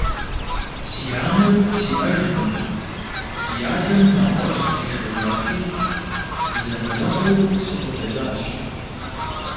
Си анэр сиӀэжкъым, си адэм нэгъуэщӀ къишэжати, дызэмызэгъыу сыкъыдэкӀащ.